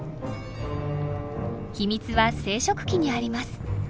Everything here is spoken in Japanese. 秘密は生殖器にあります。